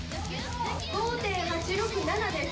５．８６７です！